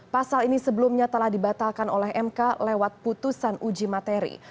pasal ini sebelumnya telah dibatalkan oleh mk lewat putusan uji materi